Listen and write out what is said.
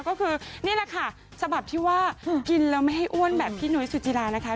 ก็คือนี่แหละค่ะฉบับที่ว่ากินแล้วไม่ให้อ้วนแบบพี่นุ้ยสุจิลานะคะ